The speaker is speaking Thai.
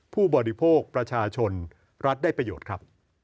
ผู้บริโภคประชาชนรัฐได้ประโยชน์ครับ